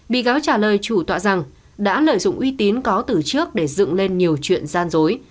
bị cáo trả lời chủ tọa rằng đã lợi dụng uy tín có từ trước để dựng lên nhiều chuyện gian dối